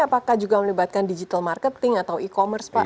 apakah juga melibatkan digital marketing atau e commerce pak